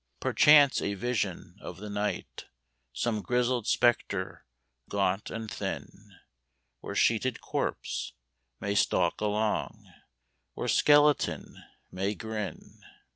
Perchance a vision of the night, Some grizzled spectre, gaunt and thin, Or sheeted corpse, may stalk along, Or skeleton may grin.